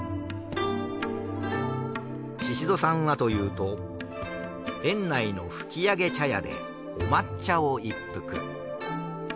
シシドさんはというと園内の吹上茶屋でお抹茶を一服。